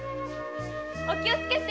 お気をつけて！